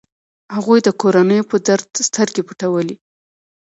هغوی د کورنيو پر درد سترګې پټولې.